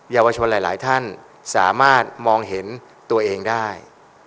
ยาวชนหลายท่านสามารถมองเห็นตัวเองได้